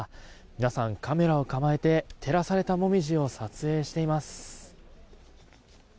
皆さん、カメラを構えて照らされたモミジを撮影しています。